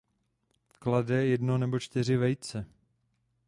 Klade jedno nebo čtyři vejce.